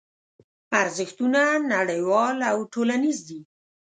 ارزښتونه نړیوال او ټولنیز دي.